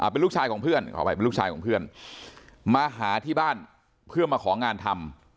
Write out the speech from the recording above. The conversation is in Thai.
เป็นลูกชายของเพื่อนขออภัยเป็นลูกชายของเพื่อนมาหาที่บ้านเพื่อมาของานทำ